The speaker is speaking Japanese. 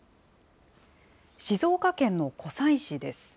静岡県の湖西市です。